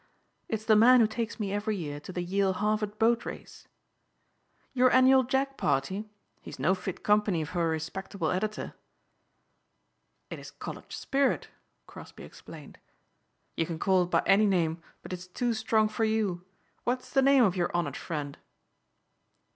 "It's the man who takes me every year to the Yale Harvard boat race." "Your annual jag party? He's no fit company for a respectable editor." "It is college spirit," Crosbeigh explained. "You can call it by any name but it's too strong for you. What is the name of your honored friend?"